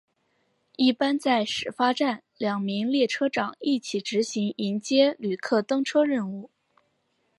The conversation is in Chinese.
一般在始发站两名列车长一起执行迎接旅客登车任务。